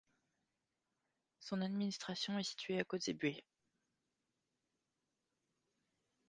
Son administration est située à Kotzebue.